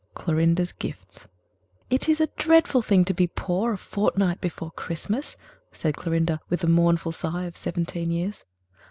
Clorinda's Gifts "It is a dreadful thing to be poor a fortnight before Christmas," said Clorinda, with the mournful sigh of seventeen years.